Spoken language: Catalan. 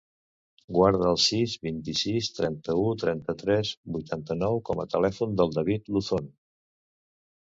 Guarda el sis, vint-i-sis, trenta-u, trenta-tres, vuitanta-nou com a telèfon del David Luzon.